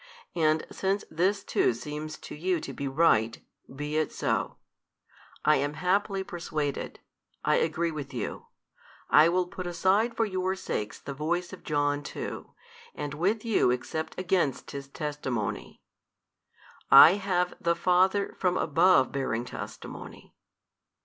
And since this too seems to you to be right, be it so: I am haply persuaded, I agree with you, I will put aside for your sakes the voice of John too, and with you except against his testimony: I have the Father from above bearing testimony.